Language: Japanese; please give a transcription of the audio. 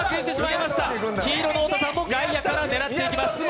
黄色の太田さんも外野から狙っていきます。